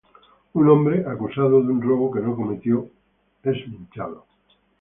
Un hombre, acusado de un robo que no cometió, es linchado.